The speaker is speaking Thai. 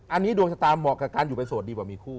อันนี้ดวงชะตาเหมาะกับการอยู่ไปโสดดีกว่ามีคู่